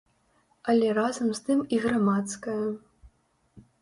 Але разам з тым і грамадская.